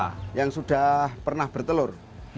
ada yang sudah pernah bertelur